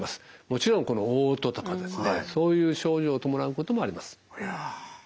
もちろんおう吐とかそういう症状を伴うこともあります。